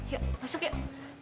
yuk masuk yuk